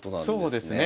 そうですね。